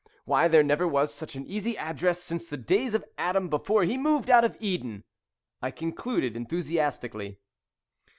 Why, there never was such an easy address since the days of Adam before he moved out of Eden," I concluded enthusiastically.